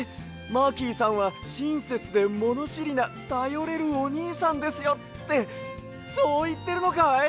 マーキーさんはしんせつでものしりなたよれるおにいさんですよ」ってそういってるのかい？